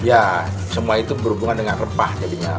ya semua itu berhubungan dengan rempah jadinya